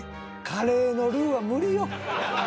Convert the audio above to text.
カレーのルーは無理よ。